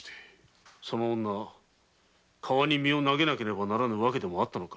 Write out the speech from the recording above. その女川に身を投げねばならぬ訳でもあったのか？